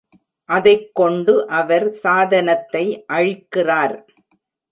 அதைக் கொண்டு, அவர் சாதனத்தை அழிக்கிறார்.